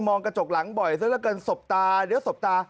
มองกระจกหลังบ่อยเสื้อแล้วกันสบตาเดี๋ยวสบตา